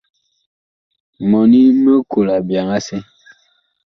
Mɔni mig kol abyaŋ asɛ.